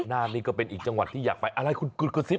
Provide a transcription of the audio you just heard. นานนี่ก็เป็นอีกจังหวัดที่อยากไปอะไรคุณกุฎกระซิบ